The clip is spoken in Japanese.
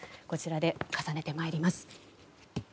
こちらで重ねてまいります。